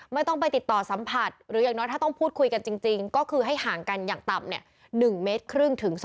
ไม่ต้องไปติดต่อสัมผัสหรืออย่างน้อยถ้าต้องพูดคุยกันจริงก็คือให้ห่างกันอย่างต่ำ๑เมตรครึ่งถึง๒